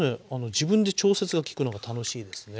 自分で調節が利くのが楽しいですね。